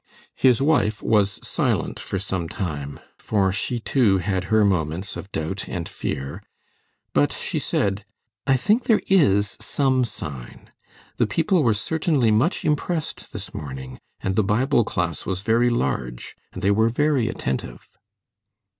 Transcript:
His wife was silent for some time, for she, too, had her moments of doubt and fear, but she said: "I think there is some sign. The people were certainly much impressed this morning, and the Bible class was very large, and they were very attentive."